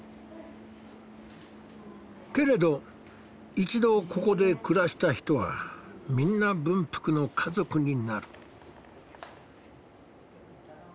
けれど一度ここで暮らした人はみんな文福の家族になる。